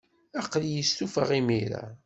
Aql-iyi stufaɣ imir-a.